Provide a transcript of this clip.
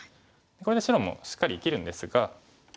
これで白もしっかり生きるんですが。